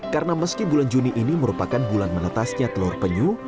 karena meski bulan juni ini merupakan bulan menetasnya telur penyul